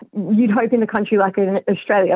kami berharap di negara seperti australia